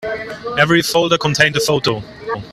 Every folder contained a photo.